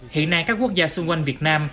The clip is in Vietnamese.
hiện nay các quốc gia xung quanh việt nam